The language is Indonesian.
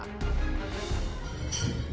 pemerasan firly menyebutkan